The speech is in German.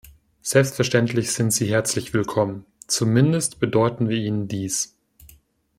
Selbstverständlich sind sie herzlich willkommen. Zumindest bedeuten wir ihnen dies.